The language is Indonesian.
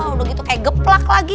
udah gitu kayak geplak lagi